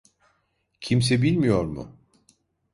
Kimse bilmiyor mu?